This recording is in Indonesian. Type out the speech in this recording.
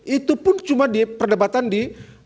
itu pun cuma di perdebatan di